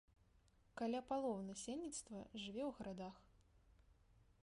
Каля паловы насельніцтва жыве ў гарадах.